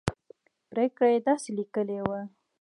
پرېکړه یې داسې لیکلې وه.